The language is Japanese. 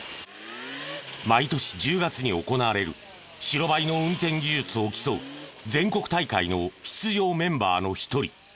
毎年１０月に行われる白バイの運転技術を競う全国大会の出場メンバーの一人。